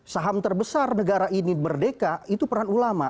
saham terbesar negara ini merdeka itu peran ulama